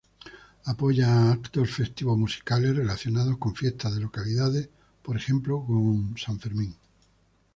Apoya eventos festivo-musicales, relacionados con fiestas de localidades, por ejemplo con San Fermín.